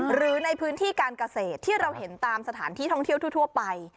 หรือในพื้นที่การเกษตรที่เราเห็นตามสถานที่ท่องเที่ยวทั่วไป